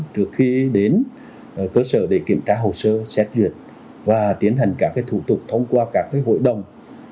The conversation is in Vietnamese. trước khi đến cơ sở để kiểm tra hồ sơ xét duyệt và tiến hành các thủ tục thông qua các hội đồng